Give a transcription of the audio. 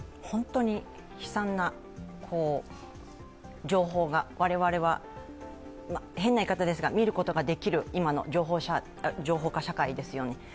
本当に悲惨な情報が我々は、変な言い方ですが見ることができる、今の情報化社会ですよね。